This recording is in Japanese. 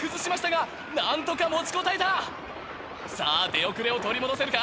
さぁ出遅れを取り戻せるか？